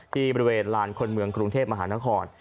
ที่บริเวณลานคนเมืองกรุงเทพมหานคร